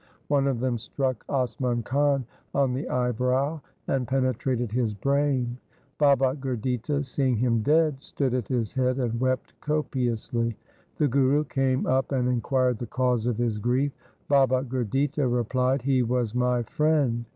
One of them struck Asman Khan on the eyebrow and penetrated his brain. Baba Gurditta, seeing him dead, stood at his head and wept copiously. The Guru came up and inquired the cause of his grief. Baba Gurditta replied, ' He was my friend.